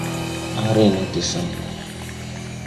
À re ne de sãy.